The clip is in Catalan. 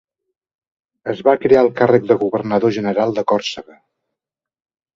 Es va crear el càrrec de governador general de Còrsega.